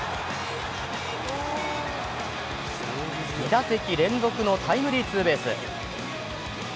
２打席連続のタイムリーツーベース。